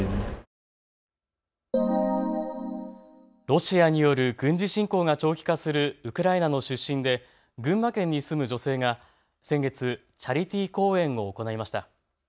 ロシアによる軍事侵攻が長期化するウクライナの出身で群馬県に住む女性が先月、チャリティー公演を行いました。